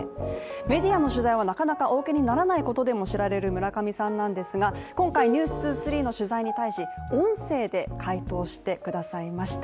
メディアの取材はなかなかお受けにならないことでも知られる村上さんなんですが、今回、「ＮＥＷＳ２３」の取材に対し音声で回答してくださいました。